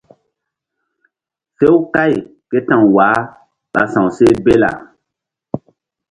Few kày ké ta̧w wah ɓa sa̧wseh bela.